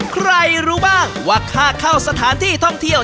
ใครรู้บ้างว่าค่าเข้าสถานที่ท่องเที่ยว